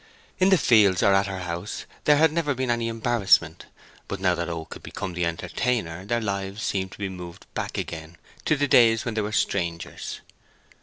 In the fields, or at her house, there had never been any embarrassment; but now that Oak had become the entertainer their lives seemed to be moved back again to the days when they were strangers.